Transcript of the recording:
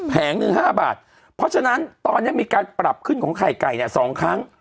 แงหนึ่ง๕บาทเพราะฉะนั้นตอนนี้มีการปรับขึ้นของไข่ไก่เนี่ย๒ครั้ง